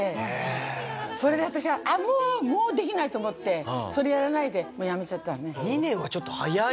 それで私はもうできないと思ってそれやらないでもう辞めちゃったのね。